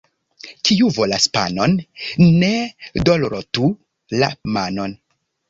Kiu volas panon, ne dorlotu la manon.